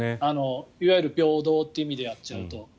いわゆる平等という意味でやっちゃうと。